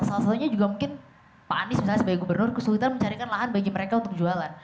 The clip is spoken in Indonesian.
salah satunya juga mungkin pak anies misalnya sebagai gubernur kesulitan mencarikan lahan bagi mereka untuk jualan